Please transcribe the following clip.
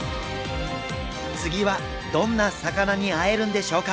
次はどんなサカナに会えるんでしょうか？